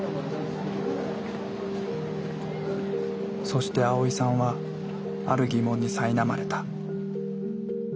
そしてアオイさんはある疑問にさいなまれた。